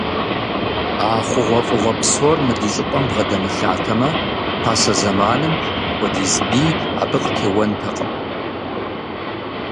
А хъугъуэфӏыгъуэ псор мы ди щӏыпӏэм бгъэдэмылъатэмэ, пасэ зэманым апхуэдиз бий абы къытеуэнтэкъым.